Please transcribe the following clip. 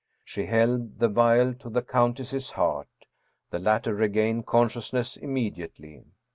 She held the vial to the countess's heart. The latter regained con sciousness immediately.